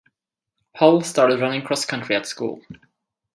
Hull started running cross country at school.